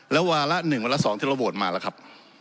แล้ววาระ๑วาระ๒ที่เราโหวตมาล่ะครับ